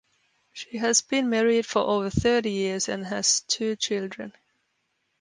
She has been married for over thirty years and has two children.